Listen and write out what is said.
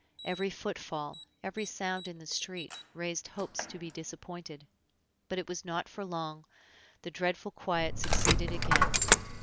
Every footfall, every sound in the street, raised hopes to be disappointed; but it was not for long, the dreadful quiet succeeded again.